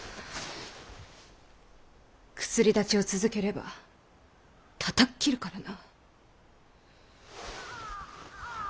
薬だちを続ければたたっ斬るからな。